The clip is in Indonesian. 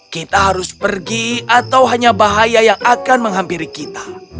kita harus pergi atau hanya bahaya yang akan menghampiri kita